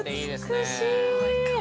◆美しい。